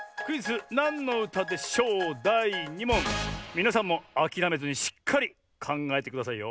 みなさんもあきらめずにしっかりかんがえてくださいよ。